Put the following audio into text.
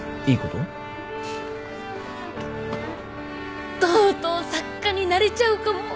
とうとう作家になれちゃうかも。